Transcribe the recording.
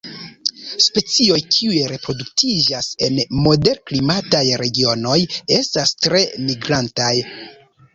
Specioj kiuj reproduktiĝas en moderklimataj regionoj estas tre migrantaj.